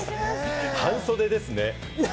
半袖ですね。